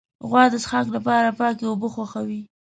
غوا د څښاک لپاره پاکې اوبه خوښوي.